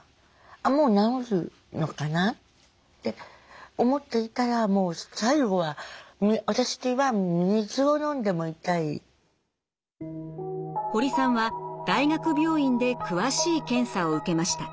もう治るのかなって思っていたらもう最後は私は堀さんは大学病院で詳しい検査を受けました。